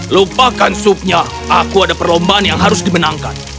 lupakan supnya aku ada perlombaan yang harus dimenangkan